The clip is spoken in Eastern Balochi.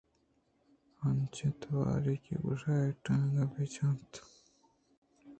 انچیں توارے کہ گوشاں ٹُنگ بہ چنت